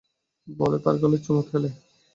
বলে তার গালে চুমো খেলে।